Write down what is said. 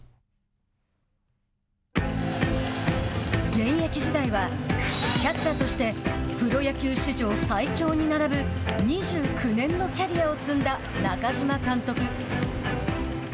現役時代はキャッチャーとしてプロ野球史上最長に並ぶ２９年のキャリアを積んだ中嶋監督。